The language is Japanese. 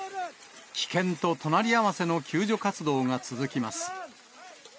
危険と隣り合わせの救助活動が続きます。